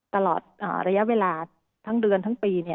ตลอดระยะเวลาทั้งเดือนทั้งปี